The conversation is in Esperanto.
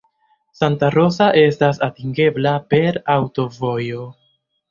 Santa Rosa estas atingebla per aŭtovojo.